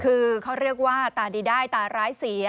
คือเขาเรียกว่าตาดีได้ตาร้ายเสีย